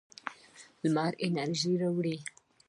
لمر انرژي راوړي.